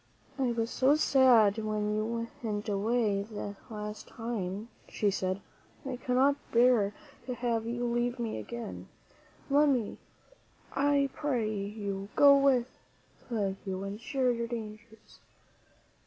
"I was so sad when you went away the last time," she said, " I cannot bear to have you leave me again. Let me, I pray you, go with you and share your dangers."